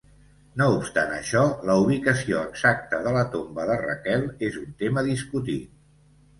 No obstant això, la ubicació exacta de la tomba de Raquel és un tema discutit.